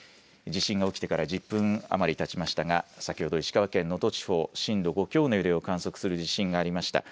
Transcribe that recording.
地震が起きてから１０分余りたちましたが先ほど石川県能登地方、震度５強の揺れを観測する地震がありました。